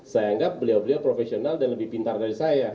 saya anggap beliau beliau profesional dan lebih pintar dari saya